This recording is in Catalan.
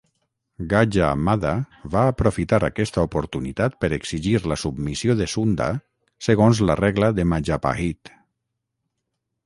Gajah Mada va aprofitar aquesta oportunitat per exigir la submissió de Sunda segons la regla de Majapahit.